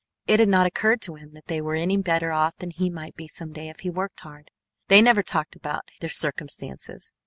It had not occurred to him that they were any better off than he might be some day if he worked hard. They never talked about their circumstances.